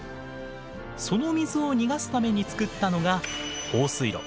その水を逃がすために作ったのが放水路。